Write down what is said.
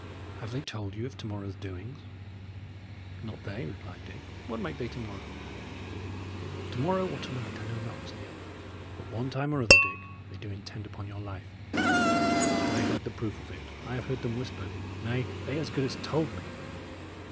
Have they told you of to morrow's doings?" "Not they," replied Dick. "What make they to morrow?" "To morrow, or to night, I know not," said the other, "but one time or other, Dick, they do intend upon your life. I had the proof of it; I have heard them whisper; nay, they as good as told me."